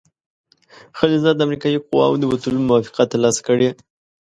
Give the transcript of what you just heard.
خلیلزاد د امریکایي قواوو د وتلو موافقه ترلاسه کړې.